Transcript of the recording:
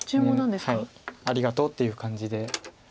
はいありがとうっていう感じで。